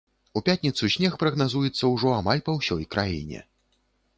У пятніцу снег прагназуецца ўжо амаль па ўсёй краіне.